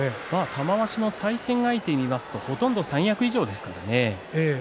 玉鷲も対戦相手を見ますとほとんど三役以上ですからね。